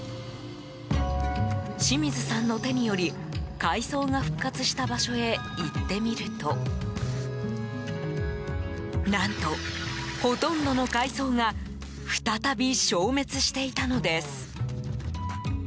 清水さんの手により、海藻が復活した場所へ行ってみると何と、ほとんどの海藻が再び消滅していたのです。